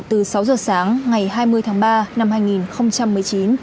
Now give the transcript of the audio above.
từ sáu giờ sáng ngày hai mươi tháng ba năm hai nghìn một mươi chín